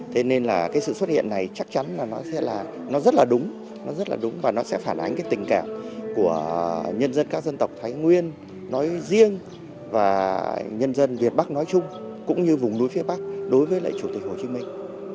thế nên là cái sự xuất hiện này chắc chắn là nó sẽ là nó rất là đúng nó rất là đúng và nó sẽ phản ánh cái tình cảm của nhân dân các dân tộc thái nguyên nói riêng và nhân dân việt bắc nói chung cũng như vùng núi phía bắc đối với lại chủ tịch hồ chí minh